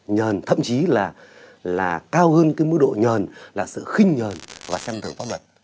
nhờn thậm chí là cao hơn cái mức độ nhờn là sự khinh nhờn và chăm thử pháp luật